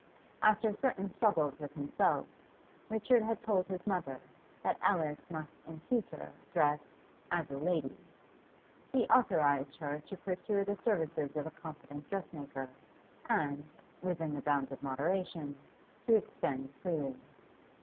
After certain struggles with himself, Richard had told his mother that Alice must in future dress 'as a lady'; he authorised her to procure the services of a competent dressmaker, and, within the bounds of moderation, to expend freely.